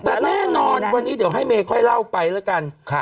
แต่แน่นอนวันนี้เดี๋ยวให้เมย์ค่อยเล่าไปแล้วกัน